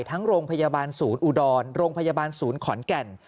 ทั้งโรงพยาบาลศูนย์อุดรโรงพยาบาลศูนย์ขอนแก่น